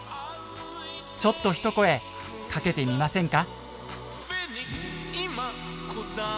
ちょっとひと声かけてみませんか？